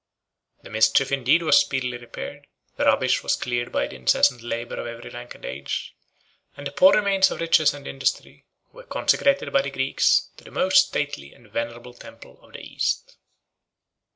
The mischief indeed was speedily repaired; the rubbish was cleared by the incessant labor of every rank and age; and the poor remains of riches and industry were consecrated by the Greeks to the most stately and venerable temple of the East.